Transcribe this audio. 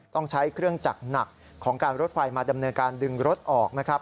ต้องใช้เครื่องจักรหนักของการรถไฟมาดำเนินการดึงรถออกนะครับ